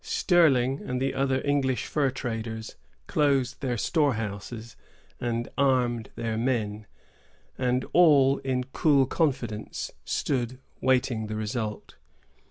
Sterling, and the other English fur traders, closed their storehouses and armed their men, and all in cool confidence stood waiting the result.